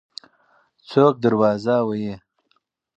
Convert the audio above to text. څوک دروازه وهي؟